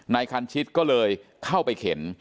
คันชิตก็เลยเข้าไปเข็น